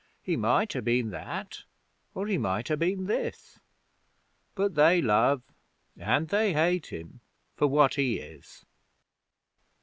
He might ha' been that, or he might ha' been this, But they love and they hate him for what he is.